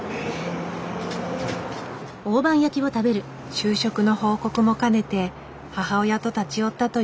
就職の報告も兼ねて母親と立ち寄ったという男性。